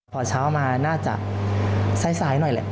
พอเช้ามาน่าจะซ้ายหน่อยแหละ